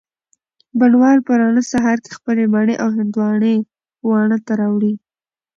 بڼ وال په رڼه سهار کي خپلې مڼې او هندواڼې واڼه ته راوړې